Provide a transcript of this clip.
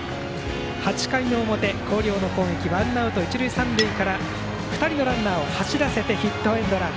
８回表、広陵の攻撃ワンアウト、一塁三塁から２人のランナーを走らせてヒットエンドラン。